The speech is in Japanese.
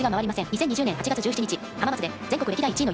２０２０年８月１７日浜松で全国歴代１位の４１．１度。